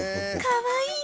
かわいい。